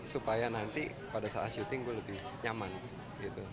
supaya nanti pada saat syuting gue lebih nyaman gitu